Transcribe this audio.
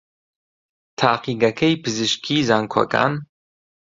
تاقیگەکەی پزیشکیی زانکۆکان